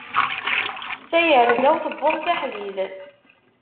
Tayerza-w tewweḍ s aḥdid.